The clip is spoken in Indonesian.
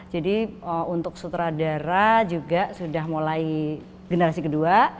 jadi untuk sutradara juga sudah mulai generasi kedua